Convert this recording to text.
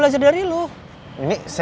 gue kayak banyak laki laki resign